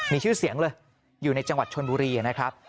มีชื่อเสียงเลยอยู่ในจังหวัดชนบุรีนะครับ